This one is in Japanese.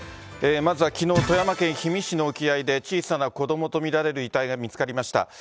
まずはきのう、富山県氷見市の沖合で、小さな子どもと見られる遺体が見つかりました。